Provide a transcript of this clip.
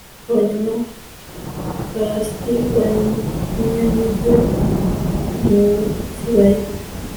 abanyamafarasi banyanyagira mu kibaya